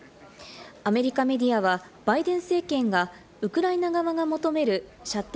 アメリカメディアはバイデン政権がウクライナ側が求める射程